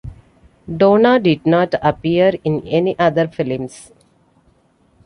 Donna did not appear in any other films.